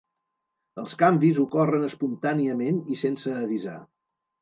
Els canvis ocorren espontàniament i sense avisar.